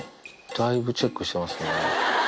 だいぶチェックしてますね。